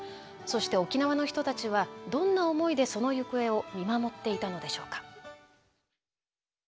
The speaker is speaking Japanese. そして沖縄の人たちはどんな思いでその行方を見守っていたのでしょうか。